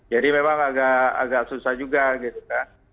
jadi memang agak susah juga gitu kan